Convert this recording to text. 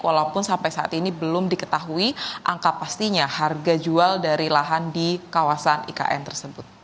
walaupun sampai saat ini belum diketahui angka pastinya harga jual dari lahan di kawasan ikn tersebut